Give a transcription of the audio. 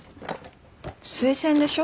推薦でしょ？